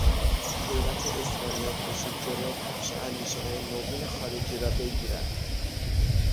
دولت اسپانیا کوشید جلو پخش اندیشههای نوین خارجی را بگیرد.